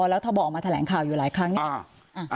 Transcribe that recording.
แล้วทบออกมาแถลงข่าวอยู่หลายครั้งนี้